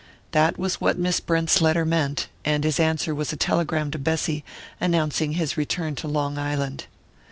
That was what Miss Brent's letter meant; and his answer was a telegram to Bessy, announcing his return to Long Island.